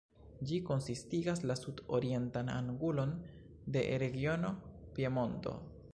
Ĝi konsistigas la sud-orientan angulon de regiono Piemonto.